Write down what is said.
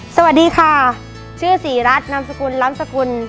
สวัสดีค่ะชื่อศรีรัฐนามสกุลล้ำสกุล